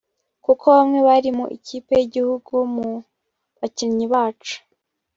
kuko bamwe bari mu ikipe y’igihugu mu bakinnyi bacu